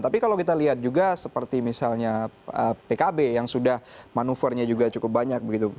tapi kalau kita lihat juga seperti misalnya pkb yang sudah manuvernya juga cukup banyak begitu